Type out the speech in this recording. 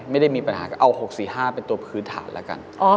ไม่ได้มีปัญหาก็เอา๖๔๕เป็นตัวพื้นฐานแล้วกัน